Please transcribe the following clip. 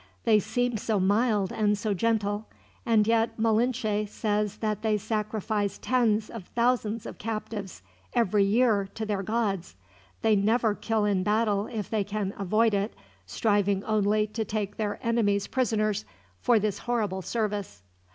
They seem so mild and so gentle, and yet Malinche says they sacrifice tens of thousands of captives, every year, to their gods. They never kill in battle if they can avoid it, striving only to take their enemies prisoners, for this horrible service.